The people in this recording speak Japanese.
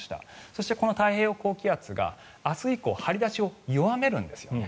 そしてこの太平洋高気圧が明日以降、張り出しを弱めるんですよね。